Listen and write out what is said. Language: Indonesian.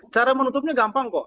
cara menutupnya gampang kok